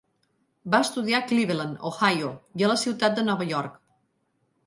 Va estudiar a Cleveland, Ohio i a la ciutat de Nova York.